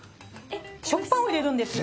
食パンを入れるんですよ。